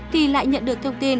thì lại nhận được thông tin